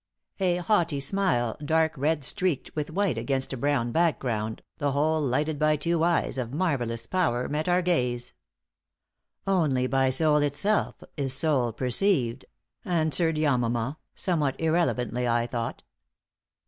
A haughty smile, dark red streaked with white against a brown background, the whole lighted by two eyes of marvelous power, met our gaze. "Only by soul itself is soul perceived," answered Yamama, somewhat irrelevantly, I thought.